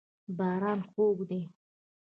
باران خوږ دی.